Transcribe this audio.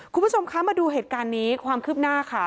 คุณผู้ชมคะมาดูเหตุการณ์นี้ความคืบหน้าค่ะ